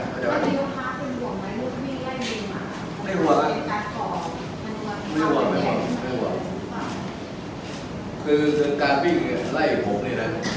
มีความห่วงไหมว่าพี่ไล่วิ่งหรือเปล่า